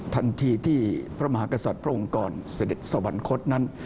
ทันทีที่พระมหากษัตริย์พระองค์ก่อนเสด็จสวรรคตนั้น